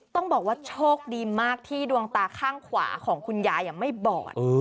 ต้องบอกว่าโชคดีมากที่ดวงตาข้างขวาของคุณยายไม่บอด